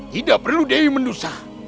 tidak perlu dewi medusa